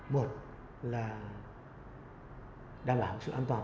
một là đảm bảo sự an toàn cho em